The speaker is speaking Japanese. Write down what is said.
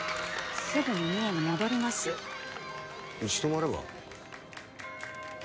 すぐに三重に戻りますうち泊まれば？